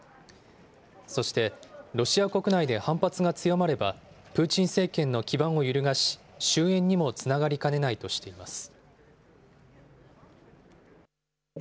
そして、ロシア国内で反発が強まればプーチン政権の基盤を揺るがし、終えんにもつながりかねないとしています。